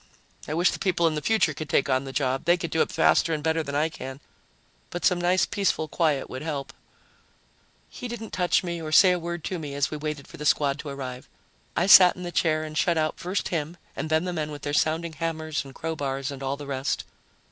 I wish the people in the future could take on the job they could do it faster and better than I can but some nice, peaceful quiet would help." He didn't touch me or say a word to me as we waited for the squad to arrive. I sat in the chair and shut out first him and then the men with their sounding hammers and crowbars and all the rest.